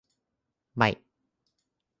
ไม่